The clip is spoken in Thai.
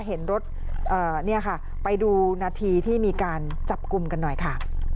เห็นรถเนี่ยค่ะไปดูนาทีที่มีการจับกลุ่มกันหน่อยค่ะ